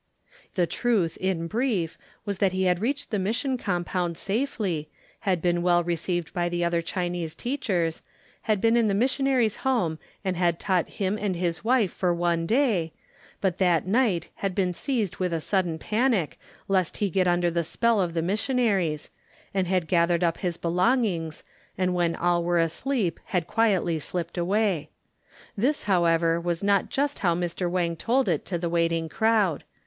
The truth in brief was that he had reached the Mission Compound safely, had been well received by the other Chinese teachers, had been in the missionary's home and had taught him and his wife for one day, but that night had been seized with sudden panic lest he get under the spell of the missionaries, and had gathered up his belongings and when all were asleep had quietly slipped away. This, however, was not just how Mr. Wang told it to the waiting crowd.